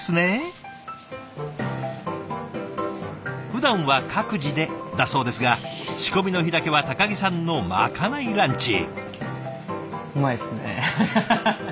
ふだんは各自でだそうですが仕込みの日だけは木さんのまかないランチ。